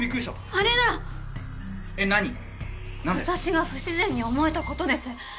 私が不自然に思えたことです。